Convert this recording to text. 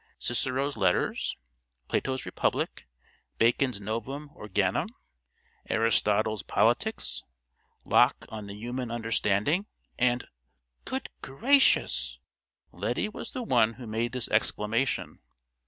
Cicero's Letters, Plato's Republic, Bacon's Novum Organum, Aristotle's Politics, Locke On the Human Understanding, and——" "Good gracious!" Lettie was the one who made this exclamation.